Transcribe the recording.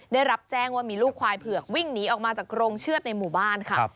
ได้รับแจ้งว่ามีลูกควายเผือกวิ่งหนีออกมาจากโรงเชือดในหมู่บ้านค่ะ